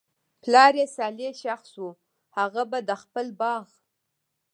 پلار ئي صالح شخص وو، هغه به د خپل باغ